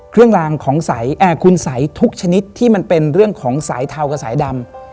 เครื่องรางของขุนสัยทุกชนิดที่มันเป็นเรื่องของสัยเทากับสัยดำ